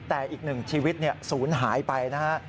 แต่อีก๑ชีวิตซู้นหายไปนะครับ